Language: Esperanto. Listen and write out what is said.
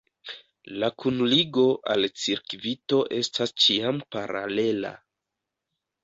La kunligo al cirkvito estas ĉiam paralela.